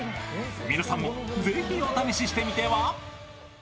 皆さんもぜひお試ししてみては？